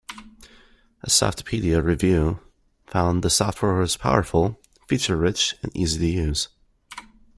A Softpedia review found the software was powerful, feature rich and easy to use.